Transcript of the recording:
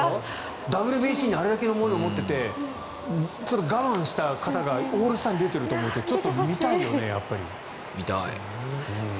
ＷＢＣにあれだけ思いを持っていて我慢した方がオールスターに出ていると思うとちょっと見たいよね、やっぱり。